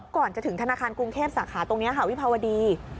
ก่อนจะถึงธนาคารกรุงเทพสาขาตรงนี้ค่ะวิภาวดี